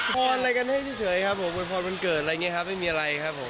พรอะไรกันให้เฉยครับผมโวยพรวันเกิดอะไรอย่างนี้ครับไม่มีอะไรครับผม